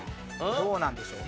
どうなんでしょうね？